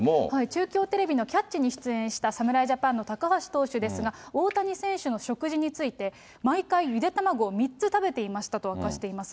中京テレビのキャッチに出演した、侍ジャパンの高橋投手ですけれども、大谷選手の食事について、毎回、ゆで卵を３つ食べていましたと明かしています。